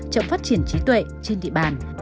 chậm phát triển trí tuệ trên địa bàn